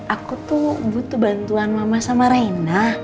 aku tuh butuh bantuan mama sama raina